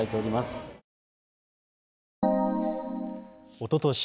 おととし